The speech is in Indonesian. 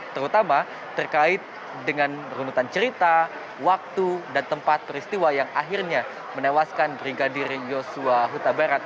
terutama terkait dengan runutan cerita waktu dan tempat peristiwa yang akhirnya menewaskan brigadir yosua huta barat